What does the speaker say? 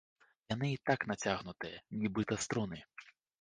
Яны і так нацягнутыя, нібыта струны.